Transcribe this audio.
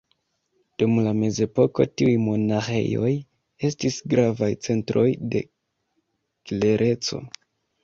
Dum la mezepoko tiuj monaĥejoj estis gravaj centroj de klereco.